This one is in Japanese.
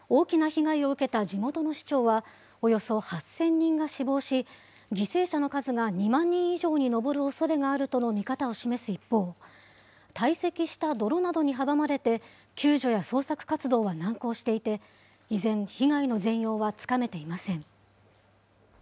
大きな被害を受けた地元の市長は、およそ８０００人が死亡し、犠牲者の数が２万人以上に上るおそれがあるとの見方を示す一方、堆積した泥などに阻まれて、救助や捜索活動は難航していて、依然、被害の全容はつかめていません。